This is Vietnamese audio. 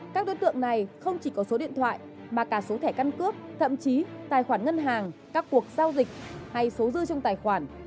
các đối tượng này không chỉ có số điện thoại mà cả số thẻ căn cước thậm chí tài khoản ngân hàng các cuộc giao dịch hay số dư trong tài khoản